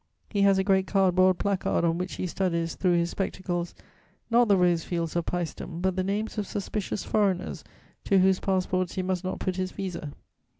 He has a great cardboard placard on which he studies, through his spectacles, not the rose fields of Pæstum, but the names of suspicious foreigners to whose passports he must not put his visa.